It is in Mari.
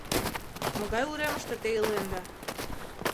— Могай уремыште те иленда?